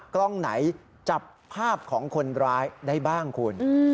กล้องไหนจับภาพของคนร้ายได้บ้างคุณ